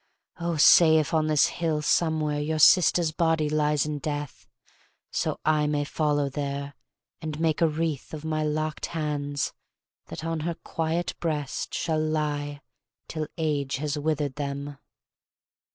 Oh, say if on this hill Somewhere your sister's body lies in death, So I may follow there, and make a wreath Of my locked hands, that on her quiet breast Shall lie till age has withered them!